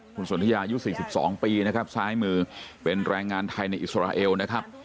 คุณสนทยายุ๔๒ปีนะครับซ้ายมือเป็นแรงงานไทยในอิสราเอลนะครับ